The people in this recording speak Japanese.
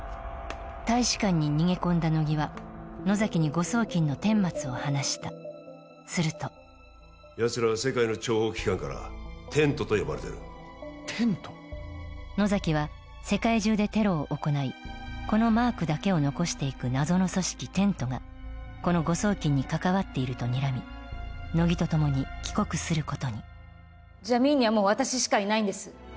大使館に逃げ込んだ乃木は野崎に誤送金のてんまつを話したするとやつらは世界の諜報機関からテントと呼ばれてるテント野崎は世界中でテロを行いこのマークだけを残していく謎の組織「テント」がこの誤送金に関わっているとにらみ乃木とともに帰国することにジャミーンにはもう私しかいないんです